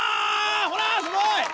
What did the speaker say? ほらすごい！